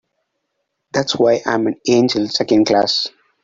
That's why I'm an angel Second Class.